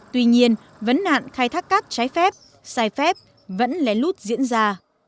tuy nhiên vấn nạn khai thác cát trái phép sai phép vẫn lén lút diễn ra